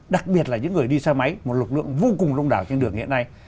đặc biệt là những người đi xe máy một lực lượng vô cùng đông đảo trên đường hiện nay